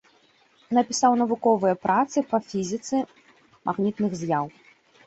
Напісаў навуковыя працы па фізіцы магнітных з'яў.